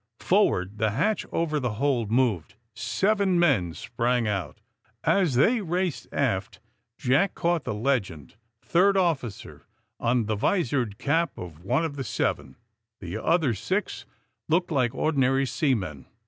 Forward the hatch over the hold moved* Seven men sprang out. As they raced aft Jack caught the legend ''third officer" on the visored cap of one of the seven. The other six looked like ordinary sea men.